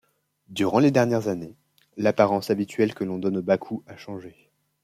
Durant les dernières années, l'apparence habituelle que l'on donne au baku a changé.